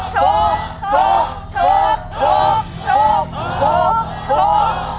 โชค